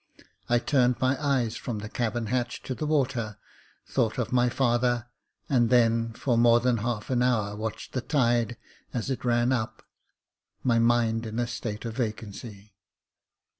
I turned my eyes from the cabin hatch to the water, thought of my father, and then for more than half an hour watched the tide as it ran up — my mind in a state of vacancy.